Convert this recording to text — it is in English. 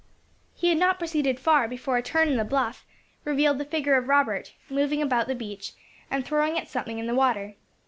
He had not proceeded far before a turn in the bluff revealed the figure of Robert, moving about the beach, and throwing at something in the water.